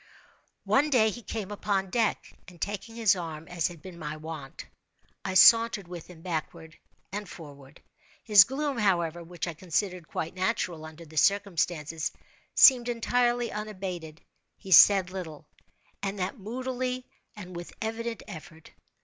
One day he came upon deck, and, taking his arm as had been my wont, I sauntered with him backward and forward. His gloom, however (which I considered quite natural under the circumstances), seemed entirely unabated. He said little, and that moodily, and with evident effort.